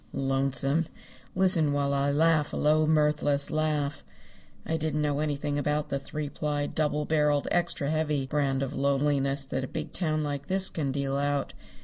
Lonesome! Listen while I laugh a low mirthless laugh. I didn't know anything about the three ply, double barreled, extra heavy brand of lonesomeness that a big town like this can deal out.